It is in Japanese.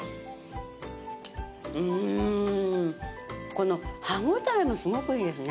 この歯応えもすごくいいですね。